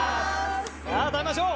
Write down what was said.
さぁ食べましょう。